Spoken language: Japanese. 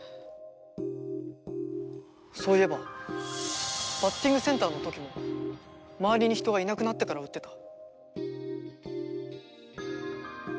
そういえばバッティングセンターの時も周りに人がいなくなってから打ってた。